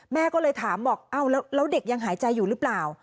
แม่ก็เลยถามบอกเอ้าแล้วเด็กยังหายใจอยู่หรือเปล่า